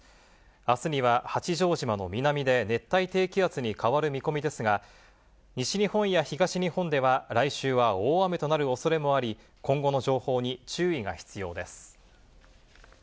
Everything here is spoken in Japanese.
あすには八丈島の南で熱帯低気圧に変わる見込みですが、西日本や東日本では、来週は大雨となるおそれもあり、今後の情報に注意が必要です。